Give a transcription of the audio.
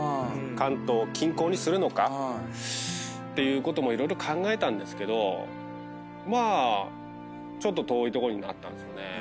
関東近郊にするのかっていうことも色々考えたんですけどまあちょっと遠いとこになったんすよね。